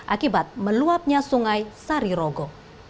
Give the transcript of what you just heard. akibat meluapnya sungai sarirogo